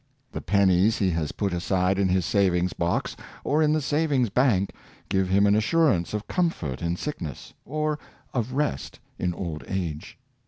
The pennies he has put aside in his savings box, or in the savings bank, give him an assurance of comfort in sickness, or of rest in old age.